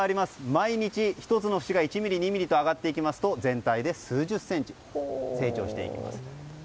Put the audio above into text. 毎日１つの節が１ｍｍ、２ｍｍと上がっていきますと全体で数十センチ成長していきます。